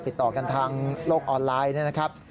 ติดต่อกันทางโลกออนไลน์นะครับ